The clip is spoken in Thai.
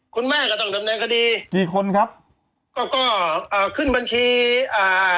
คุณแม่ก็ต้องดำเนินคดีกี่คนครับก็ก็อ่าขึ้นบัญชีอ่า